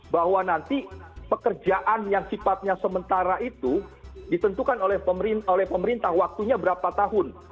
bahwa nanti pekerjaan yang sifatnya sementara itu ditentukan oleh pemerintah waktunya berapa tahun